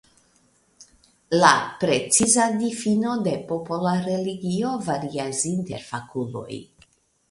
La preciza difino de popola religio varias inter fakuloj.